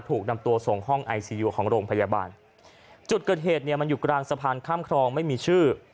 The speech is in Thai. ถูกนำตัวส่งห้องไอซียูของโรงพยาบาลจุดเกิดเหตุเนี่ยมันอยู่กลางสะพานข้ามครองไม่มีชื่อ